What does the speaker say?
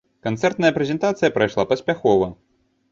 Канцэртная прэзентацыя прайшла паспяхова.